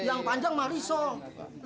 yang panjang mah risol